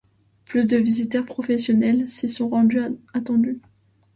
Plus de visiteurs professionnels s’y sont rendus attendus.